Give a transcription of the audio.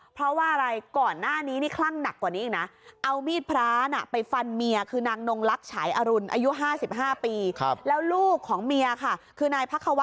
พยายามเปรี้ยกกล่อมต้อนนั้นแหนะเขาก็คุ้มคลั่งอยู่ค่ะ